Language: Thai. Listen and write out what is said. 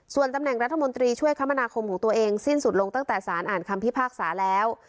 ส่วนตำแหน่งรัฐมนตรีช่วยคมนาคมของตัวเองสิ้นสุดลงตั้งแต่สารอ่านคำพิพากษาแล้ว